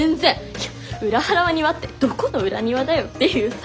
いや裏原は庭ってどこの裏庭だよっていうさ。